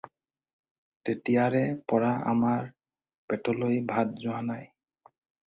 তেতিয়াৰে পৰা আমাৰ পেটলৈ ভাত যোৱা নাই।